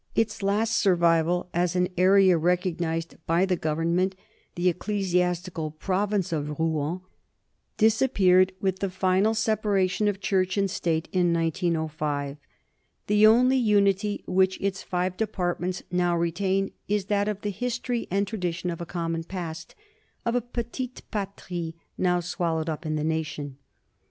Its last survival as an area recognized by the government, the ecclesiastical province of Rouen, disappeared with the final separation of church and state in 1905. The only unity which its five departments now retain is that of the history and tradition of a common past of a petite patrie now swallowed up in the nation.